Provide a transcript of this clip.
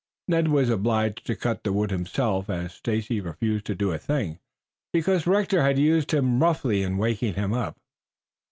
Ned was obliged to cut the wood himself, as Stacy refused to do a thing because Rector had used him roughly in waking him up.